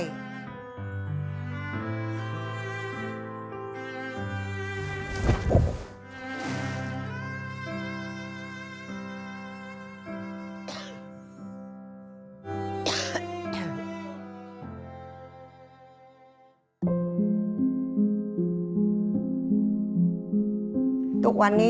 แต่ช่องมันกันอยู่ดี